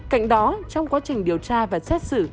cạnh đó trong quá trình điều tra và xét xử